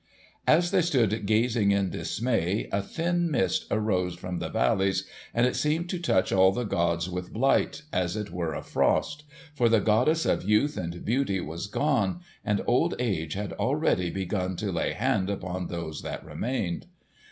As they stood gazing in dismay a thin mist arose from the valleys, and it seemed to touch all the gods with blight, as it were a frost. For the goddess of youth and beauty was gone, and old age had already begun to lay hand upon those that remained.